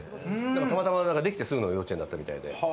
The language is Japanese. たまたまできてすぐの幼稚園だったみたいで。